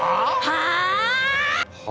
はあ。